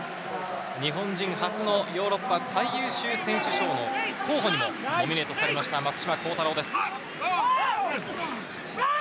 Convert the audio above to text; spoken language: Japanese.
日本人初のヨーロッパ最優秀選手賞の候補にもノミネートされました松島幸太朗です。